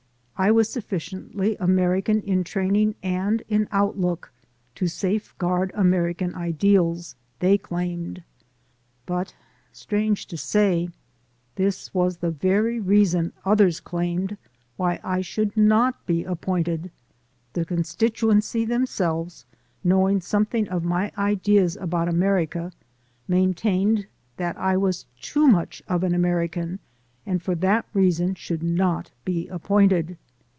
I was sufficiently American in training and in outlook to safeguard American ideals, they claimed. But strange to say, this was the very reason, others claimed, why I should not be ap pointed. The constituency themselves, knowing something of my ideas about America, maintained that I was too much of an American and for that reason should not be appointed.